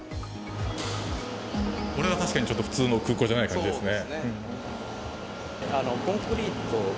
これは確かに普通の空港じゃない感じですね。